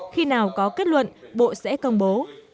khi nào có kết luận bộ sẽ công bố